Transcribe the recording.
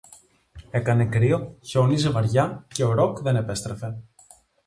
Έκανε κρύο, χιόνιζε βαριά, και ο Ροκ δεν επέστρεφε